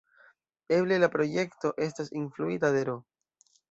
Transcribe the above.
Eble la projekto estas influita de Ro.